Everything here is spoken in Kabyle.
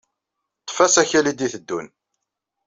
Ḍḍef asakal ay d-yetteddun.